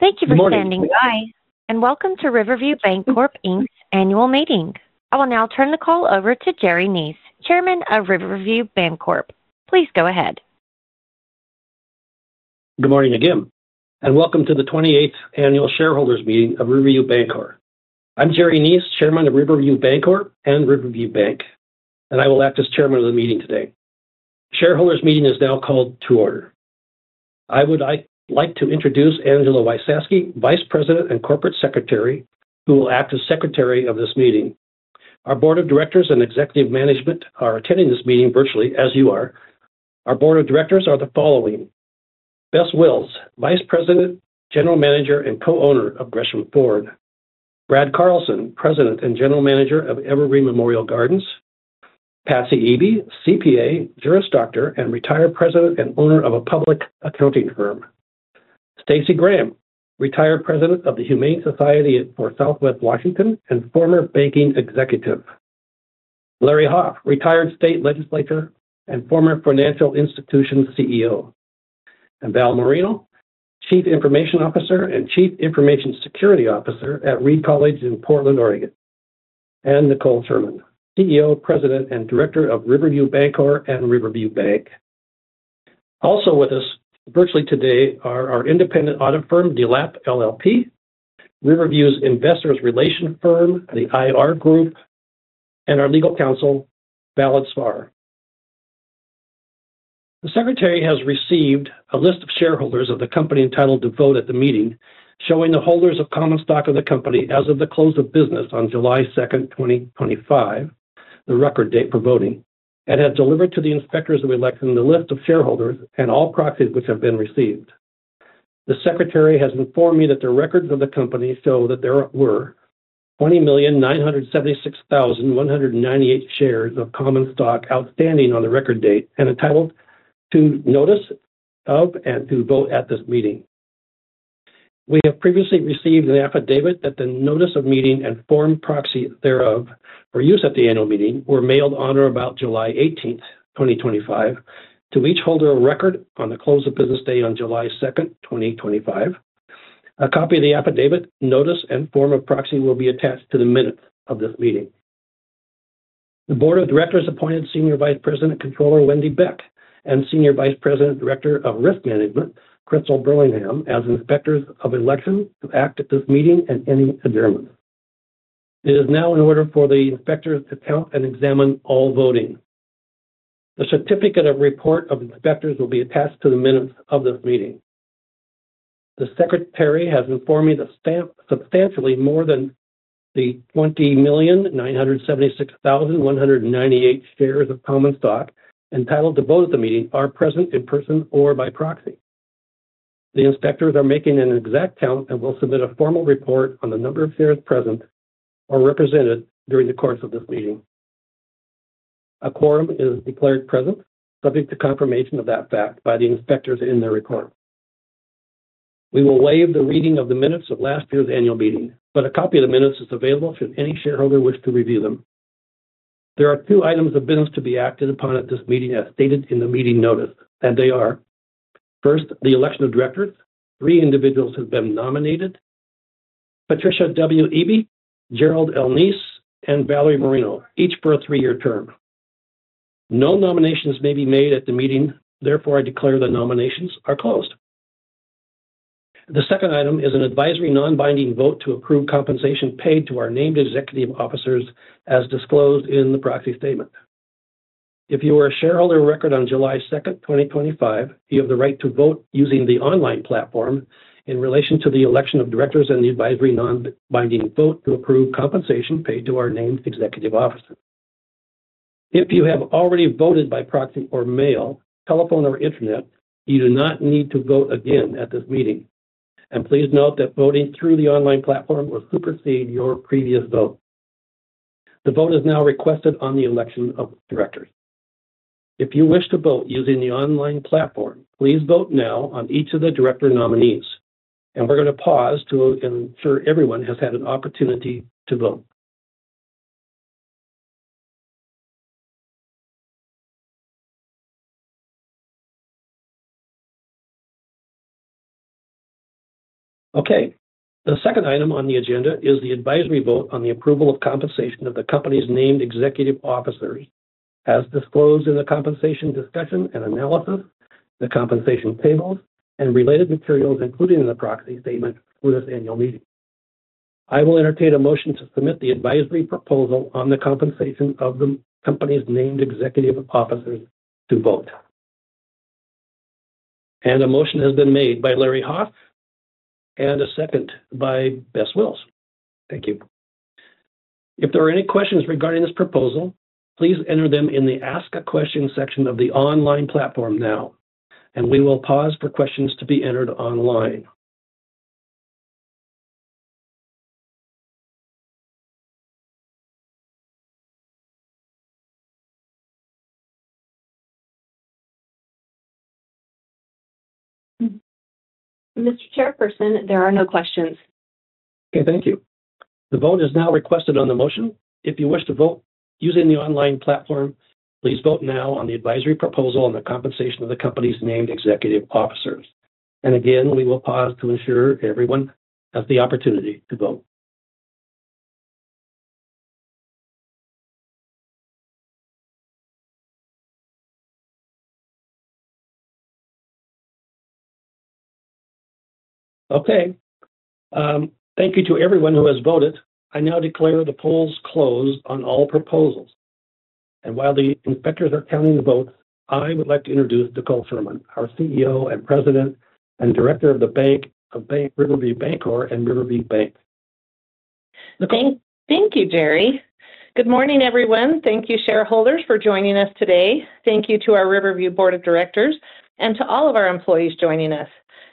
Thank you for standing by and welcome to Riverview Bancorp, Inc.'s Annual Meeting. I will now turn the call over to Gerry Nies, Chairman of Riverview Bancorp. Please go ahead. Good morning again, and welcome to the 28th Annual Shareholders Meeting of Riverview Bancorp. I'm Gerry Nies, Chairman of Riverview Bancorp and Riverview Bank, and I will act as Chairman of the meeting today. The shareholders meeting is now called to order. I would like to introduce Angela Wysaske, Vice President and Corporate Secretary, who will act as Secretary of this meeting. Our Board of Directors and Executive Management are attending this meeting virtually, as you are. Our Board of Directors are the following: Bess Wills, Vice President, General Manager, and Co-Owner of Gresham Ford; Brad Carlson, President and General Manager of Evergreen Memorial Gardens. Pat Eby, CPA, Juris Doctor, and retired President and Owner of a public accounting firm; Stacey Graham, retired President of the Humane Society for Southwest Washington and former banking executive; Larry Hoff, retired State Legislator and former financial institution CEO; and Val Marino, Chief Information Officer and Chief Information Security Officer at Reed College in Portland, Oregon; and Nicole Sherman, CEO, President and Director of Riverview Bancorp and Riverview Bank. Also with us virtually today are our independent audit firm, Delap LLP, Riverview's investor relations firm, the IR Group, and our legal counsel, Vlad Spar. The Secretary has received a list of shareholders of the company entitled to vote at the meeting, showing the holders of common stock of the company as of the close of business on July 2nd, 2025, the record date for voting, and has delivered to the inspectors of election the list of shareholders and all proxies which have been received. The Secretary has informed me that the records of the company show that there were 20 million 976,198 shares of common stock outstanding on the record date and entitled to notice of and to vote at this meeting. We have previously received the affidavit that the notice of meeting and form proxy thereof for use at the annual meeting were mailed on or about July 18th, 2025, to each holder of record on the close of business day on July 2nd, 2025. A copy of the affidavit, notice, and form of proxy will be attached to the minutes of this meeting. The Board of Directors appointed Senior Vice President and Controller Wendy Beck and Senior Vice President and Director of Risk Management, Crystal Burlingham, as Inspectors of Election to act at this meeting and any adjournment. It is now in order for the inspectors to count and examine all voting. The certificate of report of inspectors will be attached to the minutes of this meeting. The Secretary has informed me that substantially more than 20 million 976,198 shares of common stock entitled to vote at the meeting are present in person or by proxy. The inspectors are making an exact count and will submit a formal report on the number of shares present or represented during the course of this meeting. A quorum is declared present, subject to confirmation of that fact by the inspectors in their report. We will waive the reading of the minutes of last year's annual meeting, but a copy of the minutes is available should any shareholder wish to review them. There are two items of business to be acted upon at this meeting, as stated in the meeting notice, and they are: first, the election of directors. Three individuals have been nominated: Patricia W. Eby, Gerald L. Nies, and Valerie Marino, each for a three-year term. No nominations may be made at the meeting. Therefore, I declare the nominations are closed. The second item is an advisory non-binding vote to approve compensation paid to our named executive officers, as disclosed in the proxy statement. If you were a shareholder of record on July 2nd, 2025, you have the right to vote using the online platform in relation to the election of directors and the advisory non-binding vote to approve compensation paid to our named executive officer. If you have already voted by proxy or mail, telephone, or Intranet, you do not need to vote again at this meeting. Please note that voting through the online platform will supersede your previous vote. The vote is now requested on the election of directors. If you wish to vote using the online platform, please vote now on each of the director nominees. We're going to pause to ensure everyone has had an opportunity to vote. The second item on the agenda is the advisory vote on the approval of compensation of the company's named executive officers, as disclosed in the compensation discussion and analysis, the compensation tables, and related materials included in the proxy statement for this annual meeting. I will entertain a motion to permit the advisory proposal on the compensation of the company's named executive officers to vote. A motion has been made by Larry Hoff and a second by Bess Wills. Thank you. If there are any questions regarding this proposal, please enter them in the Ask a Question section of the online platform now, and we will pause for questions to be entered online. Mr. Chairperson, there are no questions. Okay, thank you. The vote is now requested on the motion. If you wish to vote using the online platform, please vote now on the advisory proposal on the compensation of the company's named executive officers. We will pause to ensure everyone has the opportunity to vote. Thank you to everyone who has voted. I now declare the polls closed on all proposals. While the inspectors are counting the vote, I would like to introduce Nicole Sherman, our CEO, President, and Director of Riverview Bancorp and Riverview Bank. Thank you, Gerry. Good morning, everyone. Thank you, shareholders, for joining us today. Thank you to our Riverview Board of Directors and to all of our employees joining us.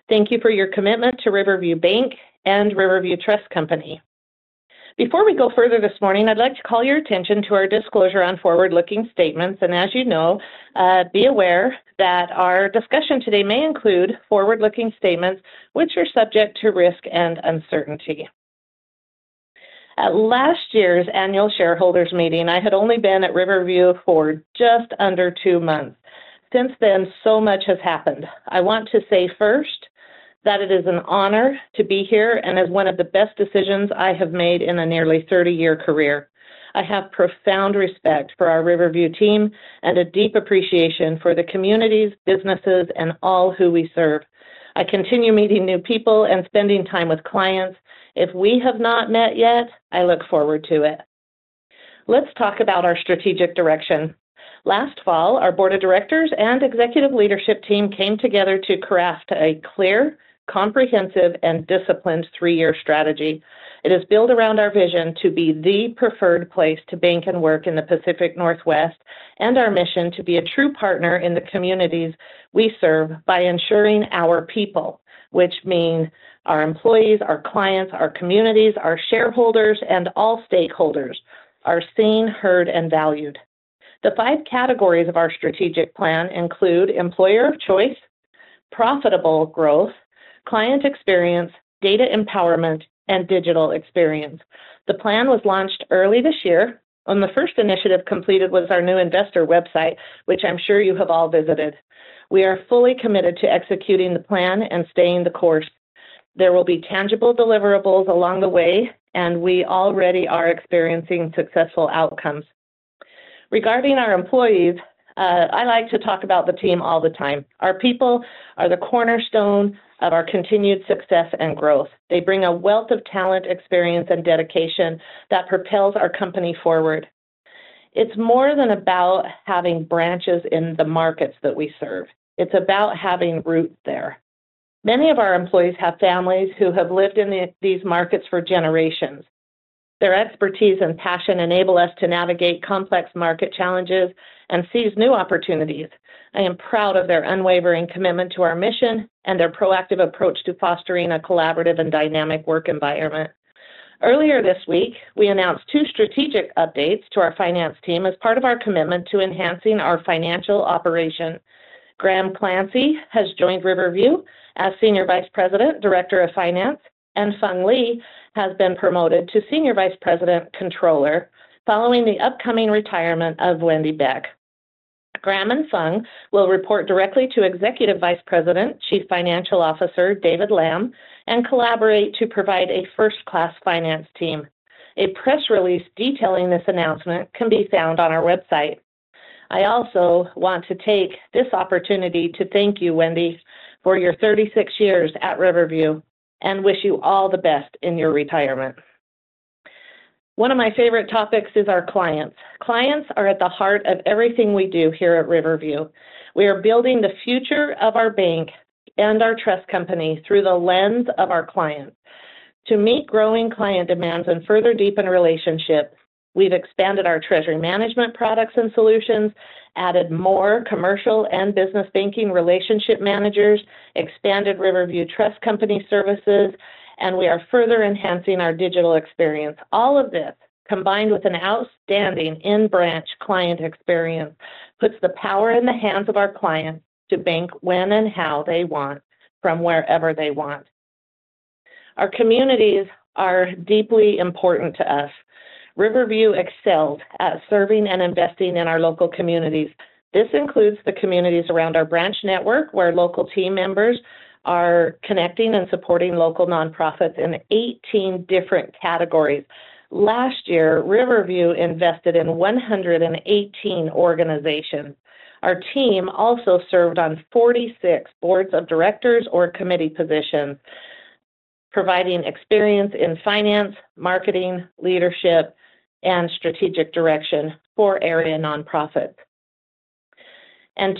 Thank you for your commitment to Riverview Bank and Riverview Trust Company. Before we go further this morning, I'd like to call your attention to our disclosure on forward-looking statements. As you know, be aware that our discussion today may include forward-looking statements which are subject to risk and uncertainty. At last year's annual shareholders meeting, I had only been at Riverview for just under two months. Since then, so much has happened. I want to say first that it is an honor to be here and is one of the best decisions I have made in a nearly 30-year career. I have profound respect for our Riverview team and a deep appreciation for the communities, businesses, and all who we serve. I continue meeting new people and spending time with clients. If we have not met yet, I look forward to it. Let's talk about our strategic direction. Last fall, our Board of Directors and executive leadership team came together to craft a clear, comprehensive, and disciplined three-year strategy. It is built around our vision to be the preferred place to bank and work in the Pacific Northwest and our mission to be a true partner in the communities we serve by ensuring our people, which mean our employees, our clients, our communities, our shareholders, and all stakeholders are seen, heard, and valued. The five categories of our strategic plan include employer of choice, profitable growth, client experience, data empowerment, and digital experience. The plan was launched early this year, and the first initiative completed was our new investor website, which I'm sure you have all visited. We are fully committed to executing the plan and staying the course. There will be tangible deliverables along the way, and we already are experiencing successful outcomes. Regarding our employees, I like to talk about the team all the time. Our people are the cornerstone of our continued success and growth. They bring a wealth of talent, experience, and dedication that propels our company forward. It's more than about having branches in the markets that we serve. It's about having root there. Many of our employees have families who have lived in these markets for generations. Their expertise and passion enable us to navigate complex market challenges and seize new opportunities. I am proud of their unwavering commitment to our mission and their proactive approach to fostering a collaborative and dynamic work environment. Earlier this week, we announced two strategic updates to our finance team as part of our commitment to enhancing our financial operation. Graham Clancy has joined Riverview as Senior Vice President, Director of Finance, and Phung Le has been promoted to Senior Vice President and Controller following the upcoming retirement of Wendy Beck. Graham and Fung will report directly to Executive Vice President, Chief Financial Officer David Lam, and collaborate to provide a first-class finance team. A press release detailing this announcement can be found on our website. I also want to take this opportunity to thank you, Wendy, for your 36 years at Riverview and wish you all the best in your retirement. One of my favorite topics is our clients. Clients are at the heart of everything we do here at Riverview. We are building the future of our bank and our trust company through the lens of our clients. To meet growing client demands and further deepen relationships, we've expanded our treasury management products and solutions, added more commercial and business banking relationship managers, expanded Riverview Trust Company services, and we are further enhancing our digital experience. All of this, combined with an outstanding in-branch client experience, puts the power in the hands of our clients to bank when and how they want, from wherever they want. Our communities are deeply important to us. Riverview excels at serving and investing in our local communities. This includes the communities around our branch network, where local team members are connecting and supporting local nonprofits in 18 different categories. Last year, Riverview invested in 118 organizations. Our team also served on 46 boards of directors or committee positions, providing experience in finance, marketing, leadership, and strategic direction for area nonprofits.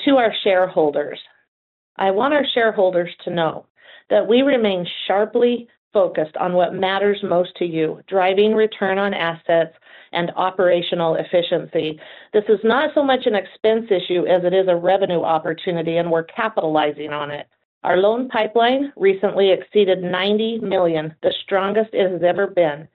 To our shareholders, I want our shareholders to know that we remain sharply focused on what matters most to you, driving return on assets and operational efficiency. This is not so much an expense issue as it is a revenue opportunity, and we're capitalizing on it. Our loan pipeline recently exceeded $90 million, the strongest it has ever been,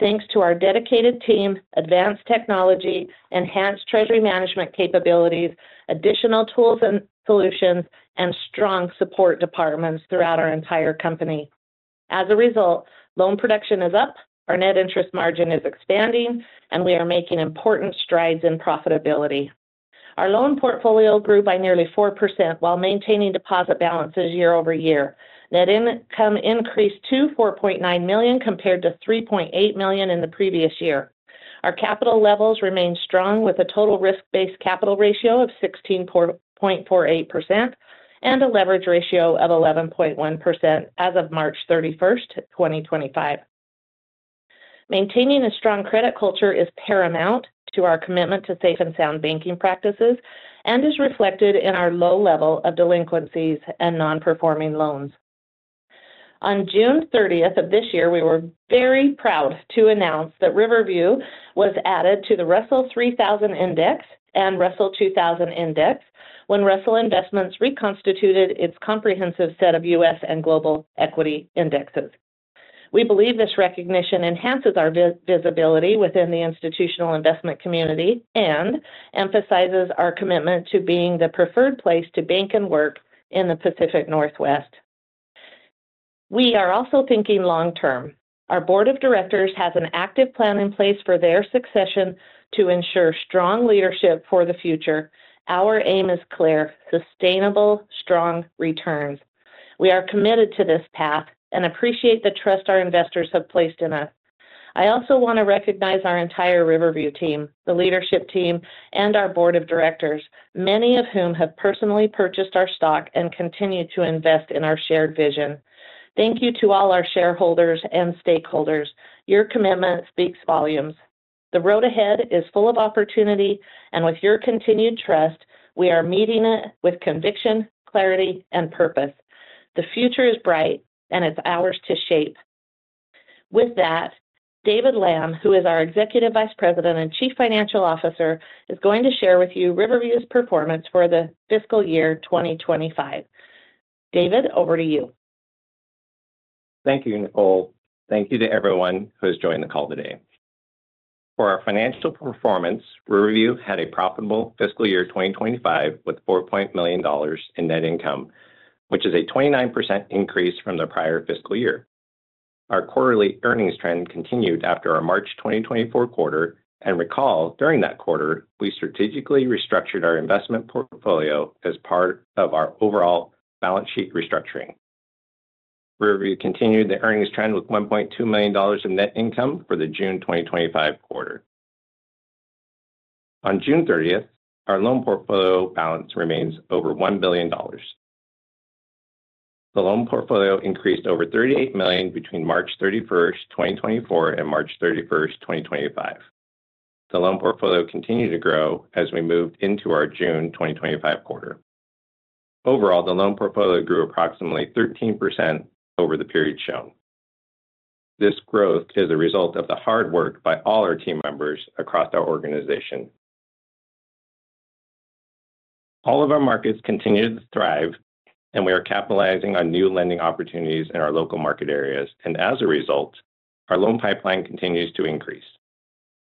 thanks to our dedicated team, advanced technology, enhanced treasury management capabilities, additional tools and solutions, and strong support departments throughout our entire company. As a result, loan production is up, our net interest margin is expanding, and we are making important strides in profitability. Our loan portfolio grew by nearly 4% while maintaining deposit balances year-over-year. Net income increased to $4.9 million compared to $3.8 million in the previous year. Our capital levels remain strong with a total risk-based capital ratio of 16.48% and a leverage ratio of 11.1% as of March 31st, 2025. Maintaining a strong credit culture is paramount to our commitment to safe and sound banking practices and is reflected in our low level of delinquencies and non-performing loans. On June 30th of this year, we were very proud to announce that Riverview was added to the Russell 3000 Index and Russell 2000 Index when Russell Investments reconstituted its comprehensive set of U.S., and global equity indexes. We believe this recognition enhances our visibility within the institutional investment community and emphasizes our commitment to being the preferred place to bank and work in the Pacific Northwest. We are also thinking long term our Board of Directors has an active plan in place for their succession to ensure strong leadership for the future. Our aim is clear: sustainable, strong returns. We are committed to this path and appreciate the trust our investors have placed in us. I also want to recognize our entire Riverview team, the leadership team, and our Board of Directors, many of whom have personally purchased our stock and continue to invest in our shared vision. Thank you to all our shareholders and stakeholders. Your commitment speaks volumes. The road ahead is full of opportunity, and with your continued trust, we are meeting it with conviction, clarity, and purpose. The future is bright, and it's ours to shape. With that, David Lam, who is our Executive Vice President and Chief Financial Officer, is going to share with you Riverview's performance for the fiscal year 2025. David, over to you. Thank you, Nicole. Thank you to everyone who has joined the call today. For our financial performance, Riverview had a profitable fiscal year 2025 with $4.0 million in net income, which is a 29% increase from the prior fiscal year. Our quarterly earnings trend continued after our March 2024 quarter, and recall during that quarter, we strategically restructured our investment portfolio as part of our overall balance sheet restructuring. Riverview continued the earnings trend with $1.2 million in net income for the June 2025 quarter. On June 30th, our loan portfolio balance remains over $1 billion. The loan portfolio increased over $38 million between March 31st, 2024, and March 31st, 2025. The loan portfolio continued to grow as we moved into our June 2025 quarter. Overall, the loan portfolio grew approximately 13% over the period shown. This growth is a result of the hard work by all our team members across our organization. All of our markets continue to thrive, and we are capitalizing on new lending opportunities in our local market areas, and as a result, our loan pipeline continues to increase.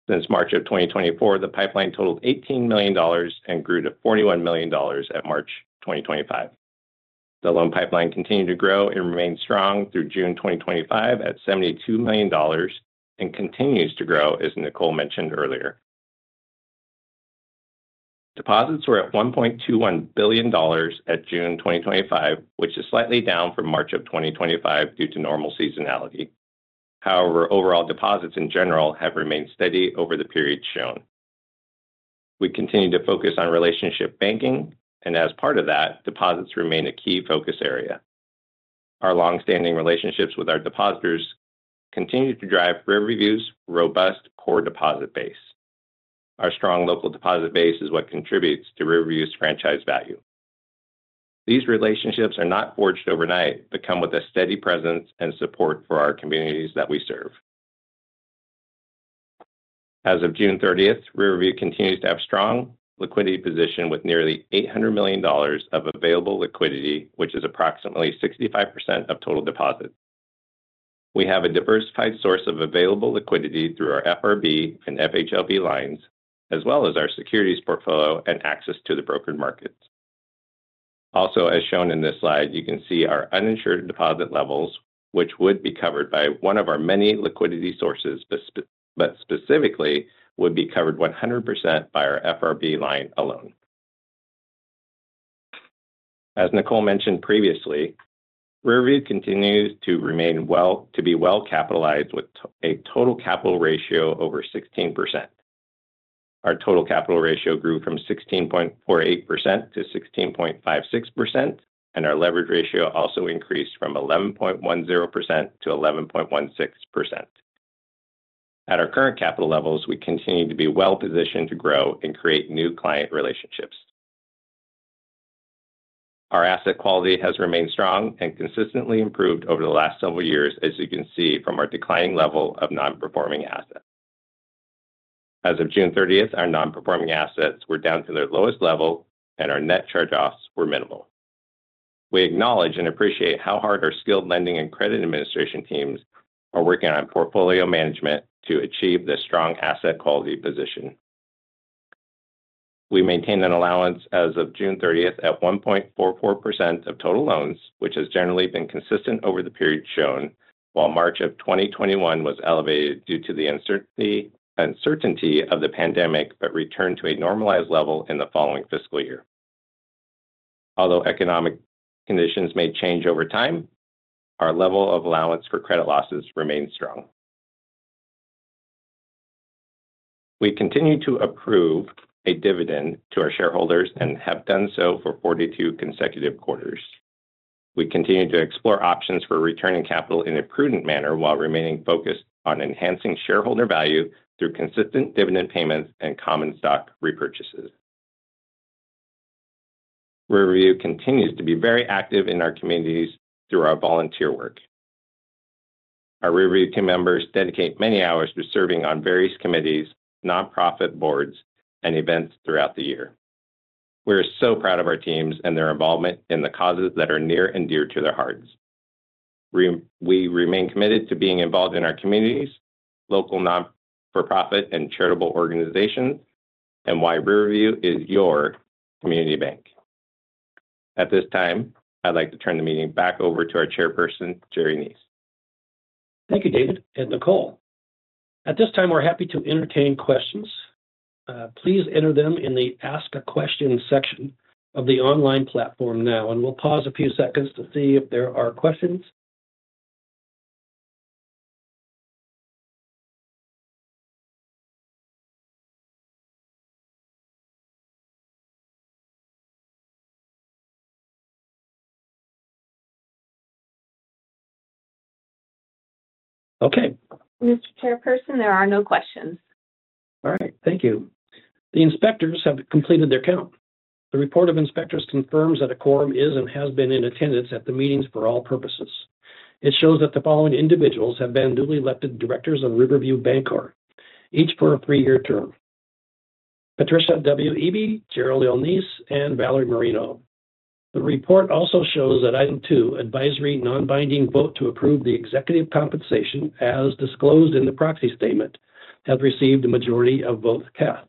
Since March of 2024, the pipeline totaled $18 million and grew to $41 million at March 2025. The loan pipeline continued to grow and remained strong through June 2025 at $72 million and continues to grow, as Nicole mentioned earlier. Deposits were at $1.21 billion at June 2025, which is slightly down from March of 2025 due to normal seasonality. However, overall deposits in general have remained steady over the period shown. We continue to focus on relationship banking, and as part of that, deposits remain a key focus area. Our longstanding relationships with our depositors continue to drive Riverview's robust core deposit base. Our strong local deposit base is what contributes to Riverview's franchise value. These relationships are not forged overnight but come with a steady presence and support for our communities that we serve. As of June 30th, Riverview continues to have a strong liquidity position with nearly $800 million of available liquidity, which is approximately 65% of total deposit. We have a diversified source of available liquidity through our FRB and FHLB lines, as well as our securities portfolio and access to the brokered markets. Also, as shown in this slide, you can see our uninsured deposit levels, which would be covered by one of our many liquidity sources, but specifically would be covered 100% by our FRB line alone. As Nicole mentioned previously, Riverview continues to remain well capitalized with a total capital ratio over 16%. Our total capital ratio grew from 16.48% to 16.56%, and our leverage ratio also increased from 11.10% to 11.16%. At our current capital levels, we continue to be well positioned to grow and create new client relationships. Our asset quality has remained strong and consistently improved over the last several years, as you can see from our declining level of non-performing assets. As of June 30th, our non-performing assets were down to their lowest level, and our net charge-offs were minimal. We acknowledge and appreciate how hard our skilled lending and credit administration teams are working on portfolio management to achieve this strong asset quality position. We maintain an allowance as of June 30th at 1.44% of total loans, which has generally been consistent over the period shown, while March of 2021 was elevated due to the uncertainty of the pandemic, but returned to a normalized level in the following fiscal year. Although economic conditions may change over time, our level of allowance for credit losses remains strong. We continue to approve a dividend to our shareholders and have done so for 42 consecutive quarters. We continue to explore options for returning capital in a prudent manner while remaining focused on enhancing shareholder value through consistent dividend payments and common stock repurchases. Riverview continues to be very active in our communities through our volunteer work. Our Riverview team members dedicate many hours to serving on various committees, nonprofit boards, and events throughout the year. We are so proud of our teams and their involvement in the causes that are near and dear to their hearts. We remain committed to being involved in our communities, local not-for-profit, and charitable organizations, and why Riverview is your community bank. At this time, I'd like to turn the meeting back over to our Chairperson, Gerry Nies. Thank you, David and Nicole. At this time, we're happy to entertain questions. Please enter them in the Ask a Question section of the online platform now, and we'll pause a few seconds to see if there are questions. Okay. Mr. Chairperson, there are no questions. All right, thank you. The inspectors have completed their count. The report of inspectors confirms that a quorum is and has been in attendance at the meetings for all purposes. It shows that the following individuals have been newly elected directors of Riverview Bancorp, each for a three-year term: Patricia W. Eby, Gerald L. Nies, and Valerie Marino. The report also shows that item two, advisory non-binding vote to approve the executive compensation, as disclosed in the proxy statement, has received the majority of votes. The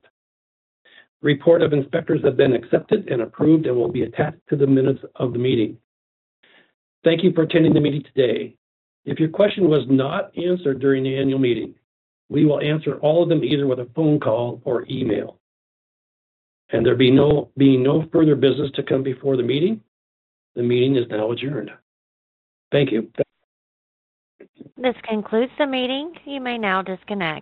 report of inspectors has been accepted and approved and will be attached to the minutes of the meeting. Thank you for attending the meeting today. If your question was not answered during the annual meeting, we will answer all of them either with a phone call or email. There will be no further business to come before the meeting. The meeting is now adjourned. Thank you. This concludes the meeting. You may now disconnect.